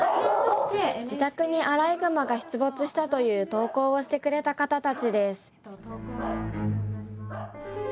自宅にアライグマが出没したという投稿をしてくれた方たちです